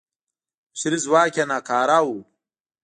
بشري ځواک یې ناکاره و.